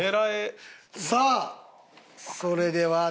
さあそれでは大悟。